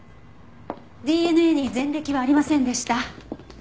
ＤＮＡに前歴はありませんでした。